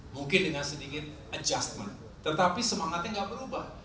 mungkin dengan sedikit adjustment tetapi semangatnya nggak berubah